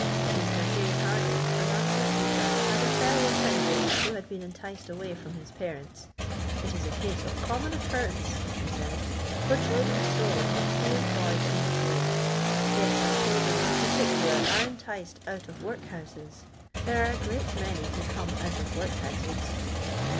' Mr. J. Harding, a master iweeper, had a fellow apprentice who had been enticed away from his parents. " It is a case of common occurrence," he faid, " for children stolen, to be employed in this way. Yes, and children in particular are enticed out of workhouses : there ore a great many who come out of workhouses."